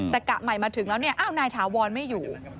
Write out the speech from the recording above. แต่กะใหม่มาถึงแล้วนายถาววอนไม่อยู่